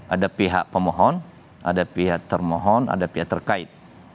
ada pihak pemohon ada pihak termohon ada pihak terkait